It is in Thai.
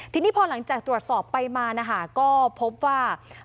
ทีนี้พอหลังจากตรวจสอบไปมานะคะก็พบว่า